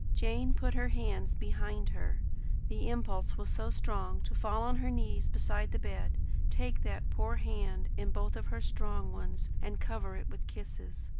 Jane put her hands behind her. The impulse was so strong to fall on her knees beside the bed, take that poor hand in both her strong ones, and cover it with kisses.